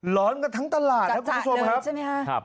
ร้อนกับทั้งตลาดครับคุณผู้ชมครับ